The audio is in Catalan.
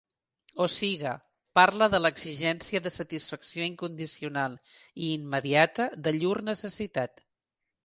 O siga, parle de l'exigència de satisfacció incondicional i immediata de llur necessitat.